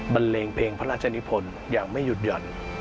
เลงเพลงพระราชนิพลอย่างไม่หยุดหย่อน